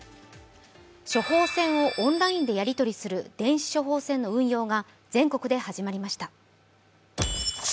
処方箋をオンラインでやり取りする、電子処方箋の運用が全国で始まりました。